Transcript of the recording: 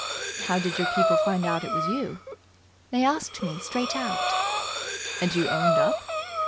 "How did your people find out it was you?" "They asked me straight out." "And you owned up?"